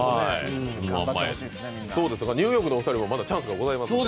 ニューヨークのお二人もまだチャンスがございますから。